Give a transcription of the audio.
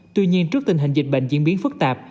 tuy nhiên trước tình hình dịch bệnh diễn biến phức tạp